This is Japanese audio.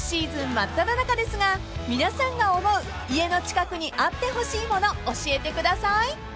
真っただ中ですが皆さんが思う家の近くにあってほしいもの教えてください］